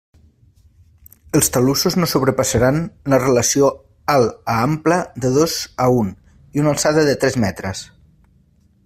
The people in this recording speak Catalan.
Els talussos no sobrepassaran la relació alt a ample de dos a un i una alçada de tres metres.